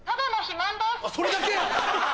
それだけ⁉